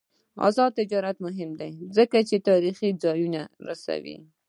آزاد تجارت مهم دی ځکه چې تاریخي ځایونه رسوي.